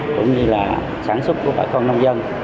cũng như là sản xuất của bà con nông dân